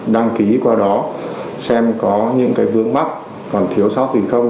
đăng ký qua đó xem có những vướng mắt còn thiếu sót thì không